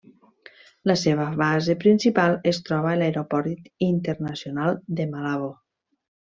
La seva base principal es troba a l'Aeroport Internacional de Malabo.